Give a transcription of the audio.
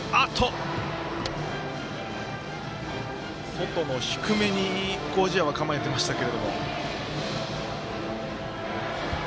外の低めに麹家は構えていましたが。